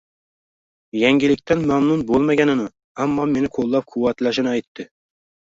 Yangilikdan mamnun bo`lmaganini, ammo meni qo`llab-quvvatlashini aytdi